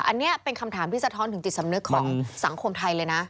อันนี้เป็นคำถามที่สะท้อนถึงจิตสำนึกของสังคมไทยเลยนะ